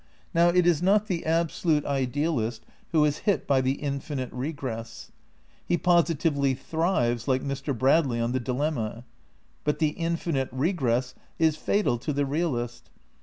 Now it is not the absolute idealist who is hit by the infinite regress. He positively thrives, like Mr. Brad ley, on the dilemma. But the infinite regress is fatal to the realist.